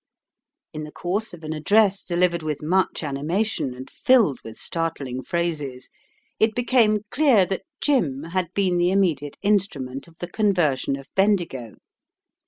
In the course of an address delivered with much animation and filled with startling phrases, it became clear that "Jim" had been the immediate instrument of the conversion of Bendigo.